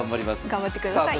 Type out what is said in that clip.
頑張ってください。